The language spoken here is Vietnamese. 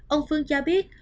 ông phương cho biết